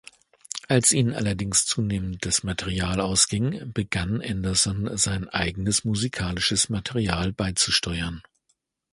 Als ihnen allerdings zunehmend das Material ausging, begann Andersson sein eigenes musikalisches Material beizusteuern.